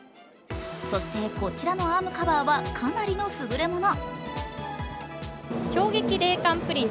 そして、こちらのアームカバーはかなりのすぐれもの。